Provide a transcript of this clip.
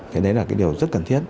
thế đấy là cái điều rất cần thiết